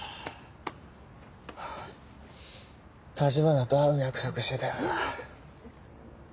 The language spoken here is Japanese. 橘と会う約束してたよな。